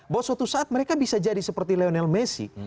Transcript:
bahwa suatu saat mereka bisa jadi seperti lionel messi